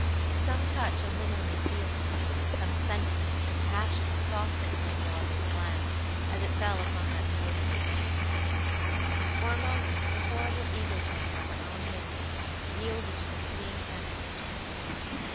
Some touch of womanly feeling, some sentiment of compassion softened Lady Audley's glance as it fell upon that noble, reposing figure. For a moment the horrible egotism of her own misery yielded to her pitying tenderness for another.